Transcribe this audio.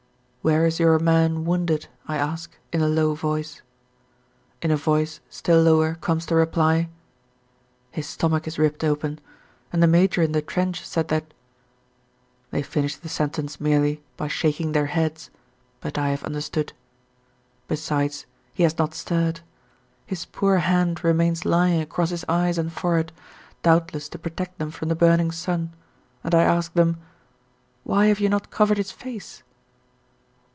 "Where is your man wounded?" I ask, in a low voice. In a voice still lower comes the reply: "His stomach is ripped open, and the Major in the trench said that " they finish the sentence merely by shaking their heads, but I have understood. Besides he has not stirred. His poor hand remains lying across his eyes and forehead, doubtless to protect them from the burning sun, and I ask them: "Why have you not covered his face?"